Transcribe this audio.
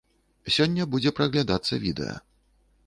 Сёння будзе праглядацца відэа.